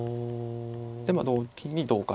でまあ同金に同角と。